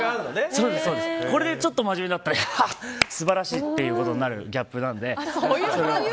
これでちょっと真面目だったら素晴らしいってなるギャップなので。